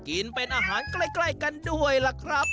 กินเป็นอาหารใกล้กันด้วยล่ะครับ